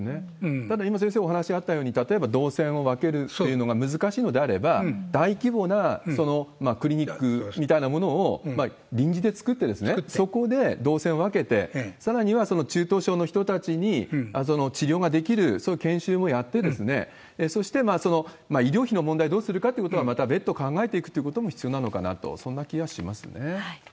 ただ、今先生お話あったように、例えば動線を分けるっていうのが難しいのであれば、大規模なクリニックみたいなものを臨時で作って、そこで動線を分けて、さらにはその中等症の人たちに治療ができる、その研修もやって、そして医療費の問題をどうするかというのはまた別途考えていくということも必要なのかなと、そんな気はしますね。